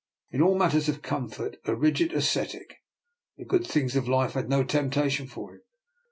In all matters of comfort a rigid as cetic, the good things of life had no temp tation for him.